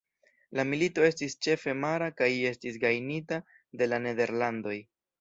La milito estis ĉefe mara kaj estis gajnita de la Nederlandoj.